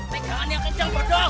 pegangan yang kenceng bodong